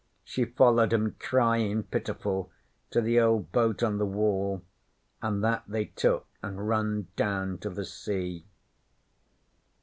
She followed 'em, cryin' pitiful, to the old boat on the Wall, an' that they took an' runned down to the sea.